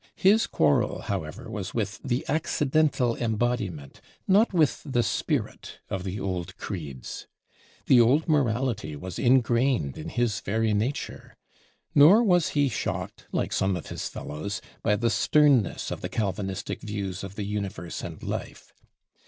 His quarrel however was with the accidental embodiment, not with the spirit of the old creeds. The old morality was ingrained in his very nature; nor was he shocked, like some of his fellows, by the sternness of the Calvinistic views of the universe and life.